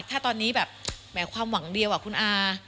ถ้าตอนนี้แบบแหมความหวังเดียวคุณอา